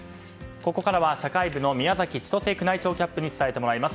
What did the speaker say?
ここからは社会部の宮崎千歳宮内庁キャップに伝えてもらいます。